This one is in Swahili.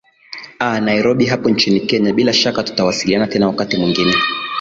aa nairobi hapo nchini kenya bila shaka tutawasiliana tena wakati mwingine